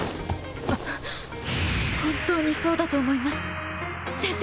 本当にそうだと思います先生！